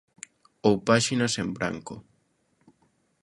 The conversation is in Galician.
Ou páxinas en branco.